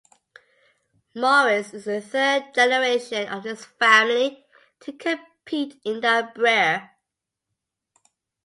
Morris is the third generation of his family to compete in the Brier.